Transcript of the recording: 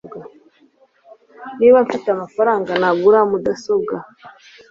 Niba mfite amafaranga, nagura mudasobwa.